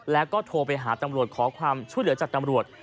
แล้วก็โทรไปหาตำรวจขอความช่วยเหลือจากตำรวจ